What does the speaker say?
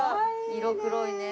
色黒いね。